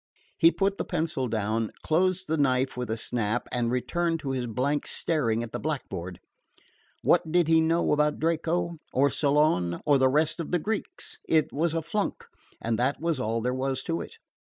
He put the pencil down, closed the knife with a snap, and returned to his blank staring at the blackboard. What did he know about Draco? or Solon? or the rest of the Greeks? It was a flunk, and that was all there was to it.